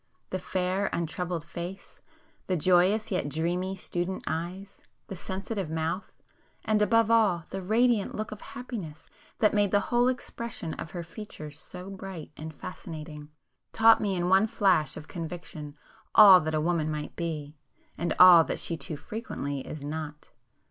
The fair untroubled face,—the joyous yet dreamy student eyes,—the sensitive mouth, and above all, the radiant look of happiness that made the whole expression of her features so bright and fascinating, taught me in one flash of conviction all that a woman might be, and all that she too frequently is not.